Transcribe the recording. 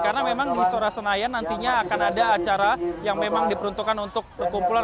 karena memang di istora senayan nantinya akan ada acara yang memang diperuntukkan untuk perkumpulan